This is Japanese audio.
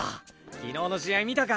昨日の試合見たか？